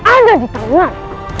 ada di talian